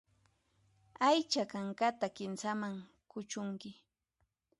Aycha kankata kinsaman kuchunki.